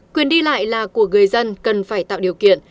quyền đi lại là của người dân cần phải tạo điều kiện